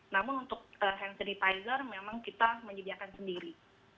namun untuk hand sanitizer memang kita menyediakan sendiri